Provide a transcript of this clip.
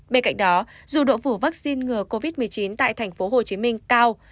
bên cạnh đó dù độ phủ vaccine ngừa covid một mươi chín tại tp hcm cao